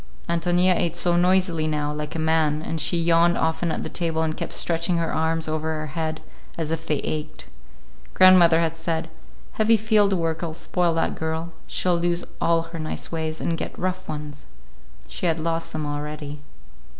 Ántonia ate so noisily now, like a man, and she yawned often at the table and kept stretching her arms over her head, as if they ached. Grandmother had said, "Heavy field work'll spoil that girl. She'll lose all her nice ways and get rough ones." She had lost them already.